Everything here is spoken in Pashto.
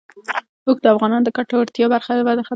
اوښ د افغانانو د ګټورتیا یوه برخه ده.